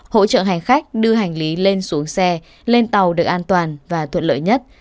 hỗ trợ hành khách đưa hành lý lên xuống xe lên tàu được an toàn và thuận lợi nhất